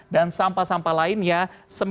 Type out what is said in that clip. dan sampah sampah lainnya sembilan belas enam persen